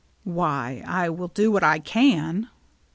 " Why, I will do what I can."